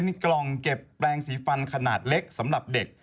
มีกล่องเก็บแปลงสีฟันขนาดเล็กสำหรับเด็ก